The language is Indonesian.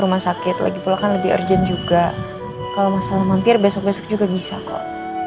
rumah sakit lagi pula kan lebih urgent juga kalau masalah mampir besok besok juga bisa kok